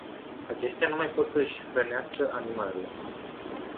Aceștia nu mai pot să își hrănească animalele.